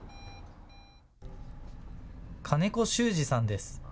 金子周史さんです。